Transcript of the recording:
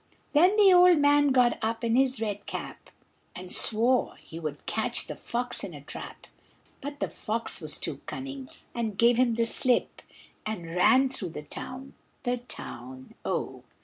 Then the old man got up in his red cap, And swore he would catch the fox in a trap; But the fox was too cunning, and gave him the slip, And ran through the town, the town, oh!